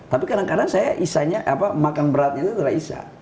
tapi kadang kadang saya isya nya apa makan beratnya itu adalah isya